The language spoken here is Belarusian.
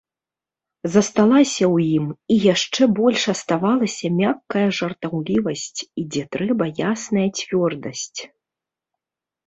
Засталася ў ім і яшчэ больш асталявалася мяккая жартаўлівасць і, дзе трэба, ясная цвёрдасць.